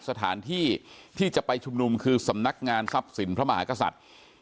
สถานที่ที่จะไปชุมนุมคือสำนักงานทรัพย์สินพระมหากษัตริย์